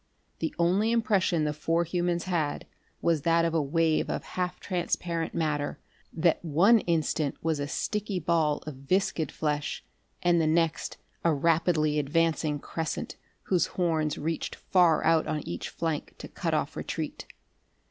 The only impression the four humans had was that of a wave of half transparent matter that one instant was a sticky ball of viscid flesh and the next a rapidly advancing crescent whose horns reached far out on each flank to cut off retreat.